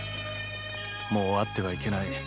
もう会ってはいけない。